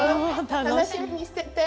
楽しみにしてて！